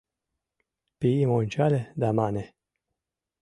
Пийым ончале да мане: